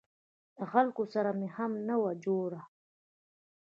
له خلکو سره مې هم نه وه جوړه.